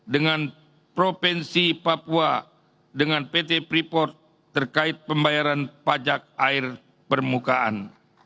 dengan provinsi papua dengan pt freeport terkait pembayaran pajak air permukaan